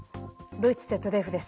ドイツＺＤＦです。